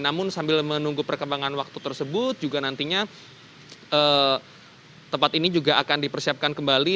namun sambil menunggu perkembangan waktu tersebut juga nantinya tempat ini juga akan dipersiapkan kembali